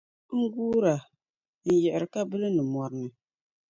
N-guura, n-yiɣira ka bilindi mɔri ni.